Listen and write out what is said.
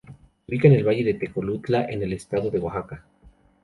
Se ubica en el valle de Tlacolula, en el estado de Oaxaca.